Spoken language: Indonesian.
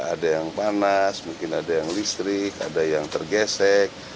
ada yang panas mungkin ada yang listrik ada yang tergesek